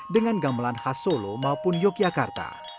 dengan gamelan khas solo maupun yogyakarta